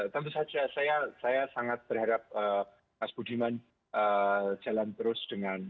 tentu saja saya sangat berharap mas budiman jalan terus dengan